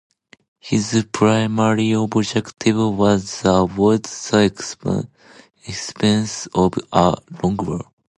His primary objective was to avoid the expense of a long war.